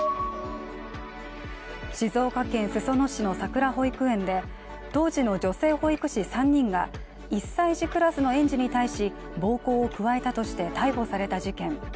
静岡県裾野市のさくら保育園で当時の女性保育士３人が１歳児クラスの園児に対し暴行を加えたとして逮捕された事件。